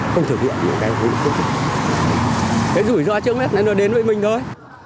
không thực hiện những cái rủi ro trước hết nên là đến với mình thôi